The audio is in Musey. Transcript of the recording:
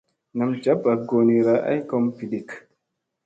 Nam ja bak goonira ay kom biɗik.